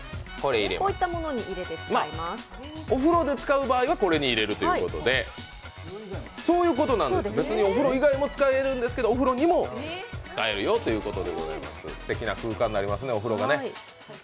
お風呂で使う場合にはこれに入れるということで、お風呂以外でも使えるんですけど、お風呂にも使えるよということですてきな空間になります。